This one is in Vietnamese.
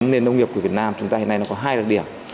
nền nông nghiệp của việt nam chúng ta hiện nay nó có hai đặc điểm